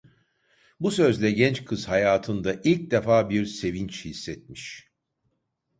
Bu sözle genç kız hayatında, ilk defa bir sevinç hissetmiş.